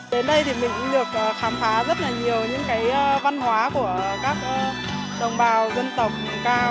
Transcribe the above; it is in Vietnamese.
đến đây thì mình cũng được khám phá rất là nhiều những cái văn hóa của các đồng bào dân tộc cao